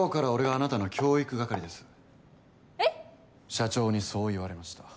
社長にそう言われました。